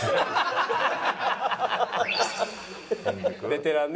ベテランね。